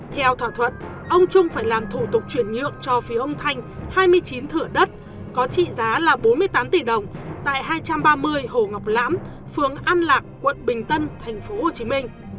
theo thỏa thuận ông trung phải làm thủ tục chuyển nhượng cho phía ông thanh hai mươi chín thửa đất có trị giá là bốn mươi tám tỷ đồng tại hai trăm ba mươi hồ ngọc lãm phường an lạc quận bình tân tp hcm